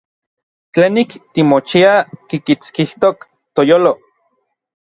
Tlenik timochiaj kikitskijtok n toyolo.